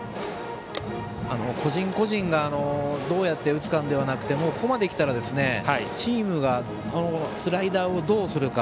個人個人がどうやって打つかではなくてここまできたらチームがスライダーをどうするか。